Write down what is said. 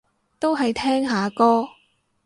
都係聽下歌